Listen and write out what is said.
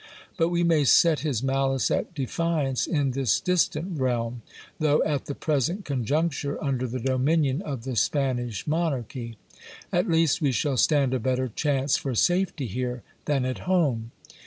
But we may set his malice at defiance in this distant realm, though at the present conjuncture under the dominion of the Spanish monarchy. At least we shall stand a better chance for safety here than at home.